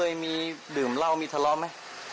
ใจว่านูเป็นตัวเยี่ยวว่ะ